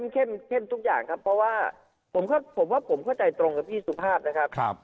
เข้มทุกอย่างครับเพราะว่าผมว่าผมเข้าใจตรงกับพี่สุภาพนะครับ